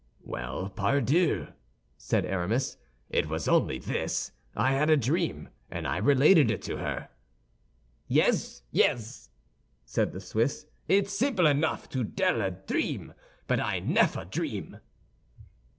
"Well, pardieu!" said Aramis, "it was only this: I had a dream, and I related it to her." "Yez, yez," said the Swiss; "it's simple enough to dell a dream, but I neffer dream."